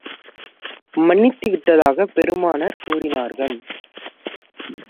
மன்னித்து விட்டதாகப் பெருமானார் கூறினார்கள்.